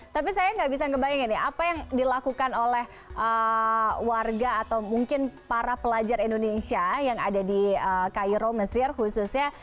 tapi saya nggak bisa ngebayangin ya apa yang dilakukan oleh warga atau mungkin para pelajar indonesia yang ada di cairo mesir khususnya